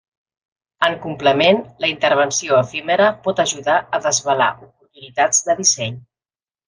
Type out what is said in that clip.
En complement, la intervenció efímera pot ajudar a desvelar oportunitats de disseny.